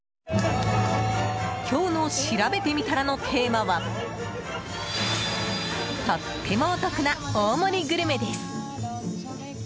今日のしらべてみたらのテーマはとってもお得な大盛りグルメです。